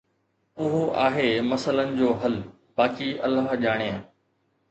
اهو آهي مسئلن جو حل، باقي الله ڄاڻي.